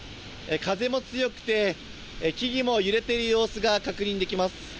風も強くて、木々も揺れている様子が確認できます。